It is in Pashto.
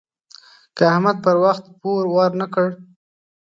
که احمد پر وخت پور ورنه کړ.